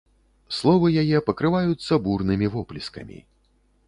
Словы яе пакрываюцца бурнымі воплескамі.